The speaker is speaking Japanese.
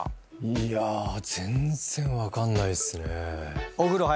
いや全然分かんないっすね。